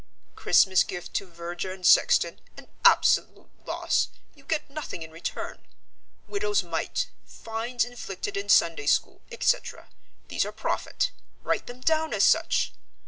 Christmas Gift to Verger and Sexton, an absolute loss you get nothing in return. Widows' Mite, Fines inflicted in Sunday School, etc., these are profit; write them down as such.